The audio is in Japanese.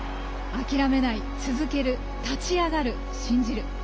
諦めない、続ける立ち上がる、信じる。